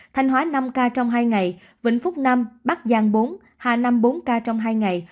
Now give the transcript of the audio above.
thanh hóa năm ca trong hai ngày vĩnh phúc năm bắc giang bốn hà nam bốn ca trong hai ngày